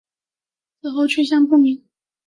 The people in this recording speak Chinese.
此后去向不明。